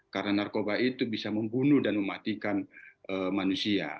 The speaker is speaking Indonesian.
karena narkoba itu bisa membunuh dan mematikan manusia